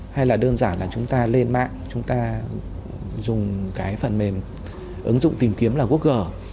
hay là đơn giản là chúng ta lên mạng chúng ta dùng cái phần mềm ứng dụng tìm kiếm là google